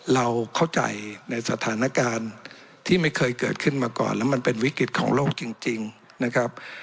เราเข้าใจในสถานการณ์ที่ไม่เคยเกิดขึ้นมาก่อนแล้วมันเป็นวิกฤตของโลกจริงนะครับ